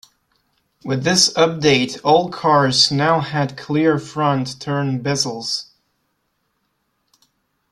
With this update all cars now had clear front turn bezels.